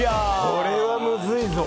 これは、むずいぞ。